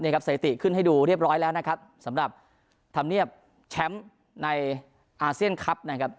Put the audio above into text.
สถิติขึ้นให้ดูเรียบร้อยแล้วนะครับสำหรับธรรมเนียบแชมป์ในอาเซียนคลับนะครับ